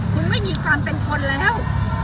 คุณไม่มีความเป็นคนแล้ว